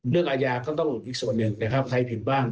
เรื่องอาญาก็ต้องอีกส่วนหนึ่งนะครับใครผิดบ้าง